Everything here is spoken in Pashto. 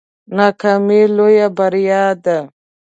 ناکامي لویه بریا ده